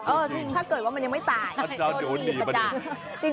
เออถ้าเกิดว่ามันยังไม่ตายโดนดีปัญจักร